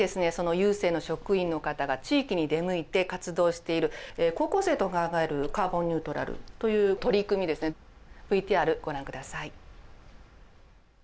郵政の職員の方が地域に出向いて活動している高校生と考えるカーボンニュートラルという取り組みですねＶＴＲご覧ください。